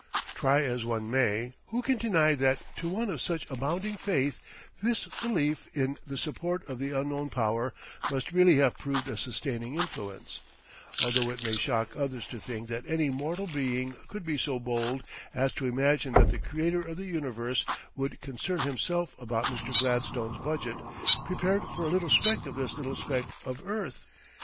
Try as one may, who can deny that to one of such abounding faith this belief in the support of the Unknown Power must really have proved a sustaining influence, although it may shock others to think that any mortal being could be so bold as to imagine that the Creator of the Universe would concern himself about Mr. Gladstone's budget, prepared for a little speck of this little speck of earth?